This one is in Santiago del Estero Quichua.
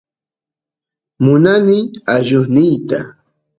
munani allusniyta